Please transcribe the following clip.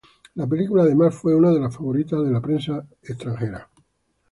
La película además fue una de las favoritas de la prensa extranjera.